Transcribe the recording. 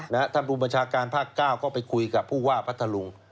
ท่านปรุงประชาการภาค๙ก็ไปคุยกับผู้ว่าพัฒน์ลุง